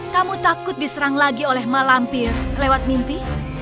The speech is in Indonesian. kamu takut diserang lagi oleh malampir lewat mimpi